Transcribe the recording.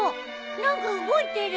何か動いてる！